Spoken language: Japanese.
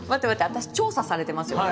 私調査されてますよね。